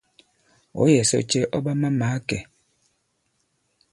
Ɔ̌ yɛ̀ sɔ cɛ ɔ̂ ɓa ma-màa kɛ̄?